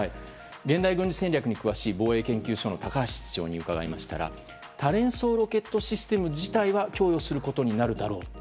現代軍事戦略に詳しい防衛研究所の高橋室長に伺いましたら多連装ロケット砲システム自体は供与することになるだろうと。